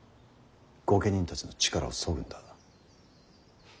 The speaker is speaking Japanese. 御家人たちの力をそぐんだ。